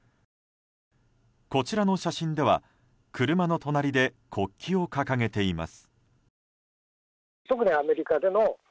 こちらの写真では車の隣で国旗を掲げています。